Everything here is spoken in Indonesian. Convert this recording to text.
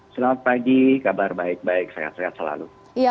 selamat pagi kabar baik baik sehat sehat selalu